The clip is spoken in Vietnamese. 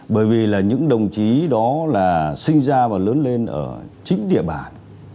bởi vì là những đồng chí đó là sinh ra và lớn lên ở chính địa bản